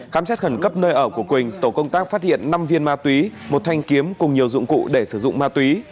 khám xét khẩn cấp nơi ở của quỳnh tổ công tác phát hiện năm viên ma túy một thanh kiếm cùng nhiều dụng cụ để sử dụng ma túy